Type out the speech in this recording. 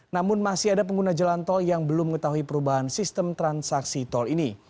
namun masih ada pengguna jalan tol yang belum mengetahui perubahan sistem transaksi tol ini